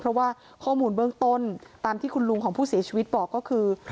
เพราะว่าข้อมูลเบื้องต้นตามที่คุณลุงของผู้เสียชีวิตบอกก็คือ